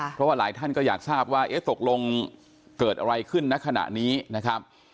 เพราะว่าหลายท่านก็อยากทราบว่าเอ๊ะตกลงเกิดอะไรขึ้นณขณะนี้นะครับ